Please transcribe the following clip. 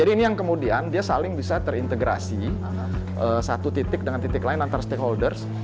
ini yang kemudian dia saling bisa terintegrasi satu titik dengan titik lain antara stakeholders